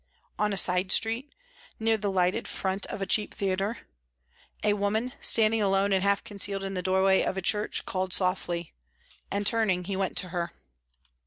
On a side street, near the lighted front of a cheap theatre, a woman, standing alone and half concealed in the doorway of a church, called softly, and turning he went to her.